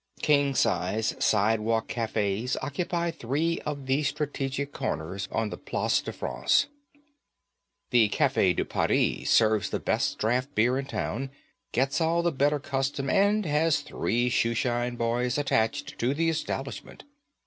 King size sidewalk cafes occupy three of the strategic corners on the Place de France. The Cafe de Paris serves the best draft beer in town, gets all the better custom, and has three shoeshine boys attached to the establishment.